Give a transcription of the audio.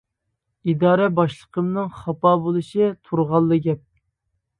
ئىدارە باشلىقىمنىڭ خاپا بولۇشى تۇرغانلا گەپ.